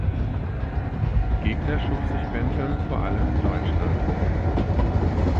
Gegner schuf sich Bentham vor allem in Deutschland.